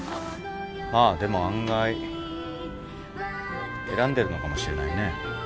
まあでも案外選んでるのかもしれないね。